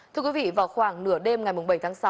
thưa quý vị vào khoảng nửa đêm ngày bảy tháng sáu